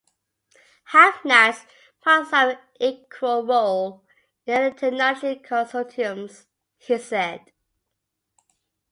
"Have-nots" must have an equal role in any technology consortiums, he said.